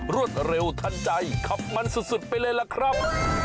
รวดเร็วทันใจขับมันสุดไปเลยล่ะครับ